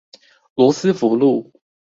羅斯福路